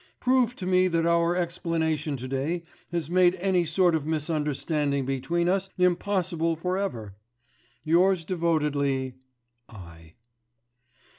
Prove to me that our explanation to day has made any sort of misunderstanding between us impossible for ever. Yours devotedly, I.